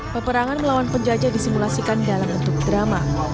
peperangan melawan penjajah disimulasikan dalam bentuk drama